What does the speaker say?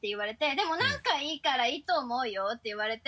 でもなんかいいからいいと思うよって言われて。